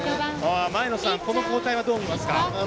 前野さん、この交代はどう見ますか？